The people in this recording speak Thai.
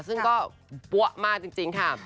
ซึ่งก็ปั๊วมากจริงค่ะ